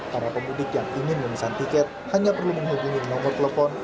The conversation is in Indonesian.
para pemudik yang ingin memesan tiket hanya perlu menghubungi nomor telepon